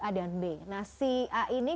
a dan b nah si a ini